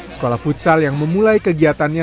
sekolah futsal yang memulai kegiatannya